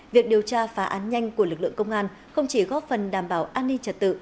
việc điều tra phá án nhanh của lực lượng công an không chỉ góp phần đảm bảo an ninh trật tự